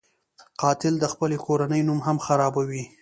قاتل د خپلې کورنۍ نوم هم خرابوي